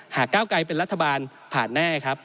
ก้าวไกลเป็นรัฐบาลผ่านแน่ครับ